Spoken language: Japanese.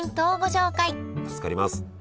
助かります。